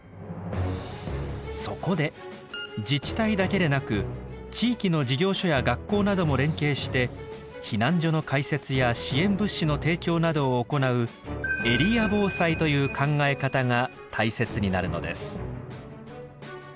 そこで自治体だけでなく地域の事業所や学校なども連携して避難所の開設や支援物資の提供などを行う「エリア防災」という考え方が大切になるのです。